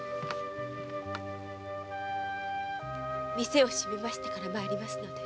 店を閉めてから参りますので。